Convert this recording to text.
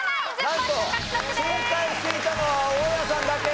なんと正解していたのは大家さんだけ！